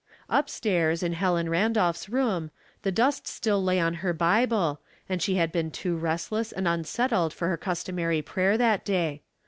Up stairs, in Helen Randolph's room, the dust still lay on her Bible, and she had been too rest less and unsettled for her customary prayer that day.